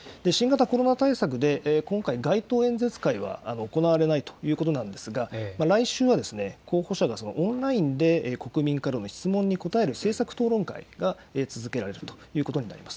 新型コロナ対策で今回、街頭演説会は行われないということなんですが、来週は候補者がオンラインで国民からの質問に答える政策討論会が続けられるということになります。